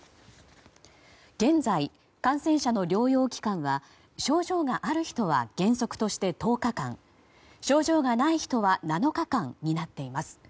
現在、感染者の療養期間は症状がある人は原則として１０日間症状がない人は７日間になっています。